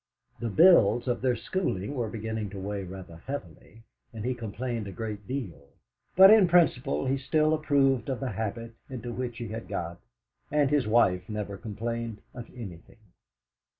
The bills of their schooling were beginning to weigh rather heavily, and he complained a good deal; but in principle he still approved of the habit into which he had got, and his wife never complained of anything.